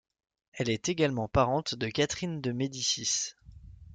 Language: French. Elle était également parente de Catherine de Médicis.